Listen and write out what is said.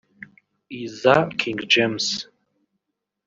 iza King James